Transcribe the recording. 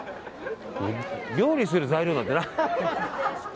料理する材料なんてない。